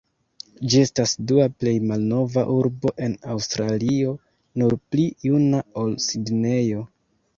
Ĝi estas dua plej malnova urbo en Aŭstralio, nur pli juna ol Sidnejo.